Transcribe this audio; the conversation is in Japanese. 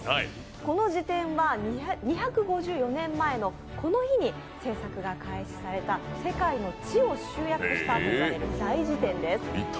この辞典は２５４年前のこの日に制作が開始された世界の知を集約したといわれる大事典です。